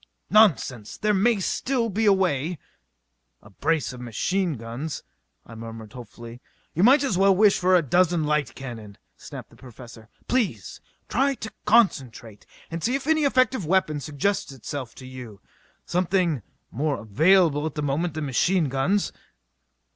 "Nonsense! There may still be a way " "A brace of machine guns...." I murmured hopefully. "You might as well wish for a dozen light cannon!" snapped the Professor. "Please try to concentrate, and see if any effective weapon suggests itself to you something more available at the moment than machine guns."